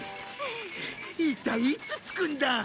一体いつ着くんだ？